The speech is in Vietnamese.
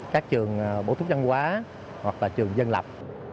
các trường bổ thúc chăn quá hoặc là trường dân lập